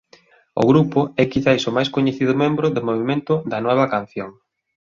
O grupo é quizais o máis coñecido membro do movemento da "Nueva canción".